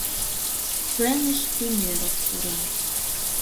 Сценыш Тумеров пура.